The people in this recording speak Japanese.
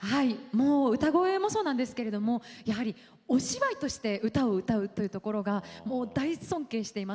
もう歌う声もそうなんですけれどもやはりお芝居として歌を歌うというところがもう大尊敬していますね。